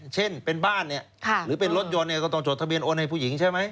เช่นเป็นบ้านเนี่ยหรือเป็นรถยนต์เนี่ยก็ต้องจดทะเบียนโอนให้ผู้หญิงใช่ไหม